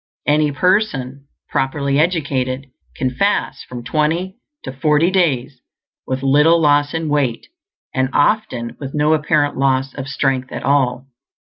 Any person, properly educated, can fast from twenty to forty days with little loss in weight, and often with no apparent loss of strength at all.